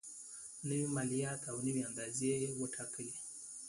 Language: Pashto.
نوي مالیات او نوي اندازې یې وټاکلې.